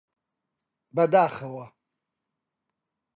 بەداخەوە!